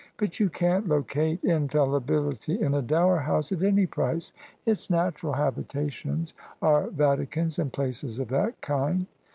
But jon can't locate Infallibility in a Dower House at any price. Its natural habitations are Vadcans and places of that kind."